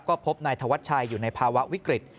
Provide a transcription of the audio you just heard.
ก็พบนายธวัชชัยอยู่ในภาวะวิกฤต